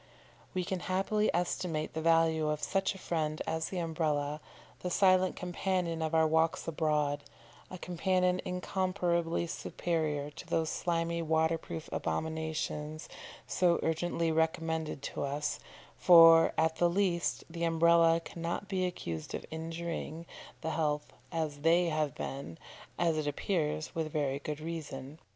We can happily estimate the value of such a friend as the Umbrella, the silent companion of our walks abroad, a companion incomparably superior to those slimy waterproof abominations so urgently recommended to us, for, at the least, the Umbrella cannot be accused of injuring, the health as they have been, as it appears, with very good reason.